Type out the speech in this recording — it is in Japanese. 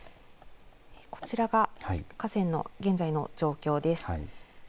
こちらが河川の現在の状況です。